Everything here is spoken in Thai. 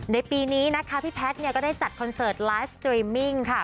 ในปีนี้นะคะพี่แพทย์เนี่ยก็ได้จัดคอนเสิร์ตไลฟ์สตรีมมิ่งค่ะ